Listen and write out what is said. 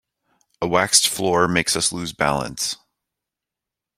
A waxed floor makes us lose balance.